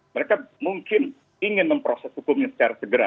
mereka mungkin ingin memproses hukumnya secara segera